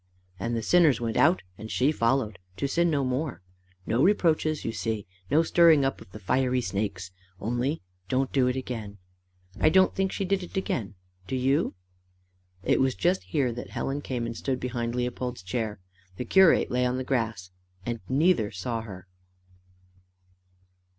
And the sinners went out, and she followed to sin no more. No reproaches, you see! No stirring up of the fiery snakes! Only don't do it again. I don't think she did it again: do you?" It was just here that Helen came and stood behind Leopold's chair. The curate lay on the grass, and neither saw her.